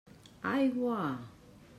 Aigua!